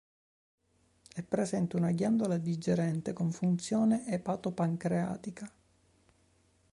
È presente una ghiandola digerente con funzione epato-pancreatica.